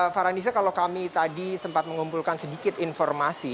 farhanisa kalau kami tadi sempat mengumpulkan sedikit informasi